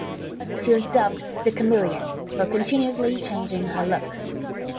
She was dubbed "The Chameleon" for continuously changing her look.